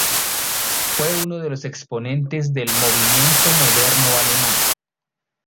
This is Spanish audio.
Fue uno de los exponentes del Movimiento Moderno alemán.